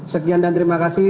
sekian dan terima kasih